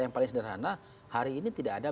yang paling sederhana hari ini tidak ada